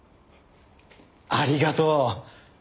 ありがとう。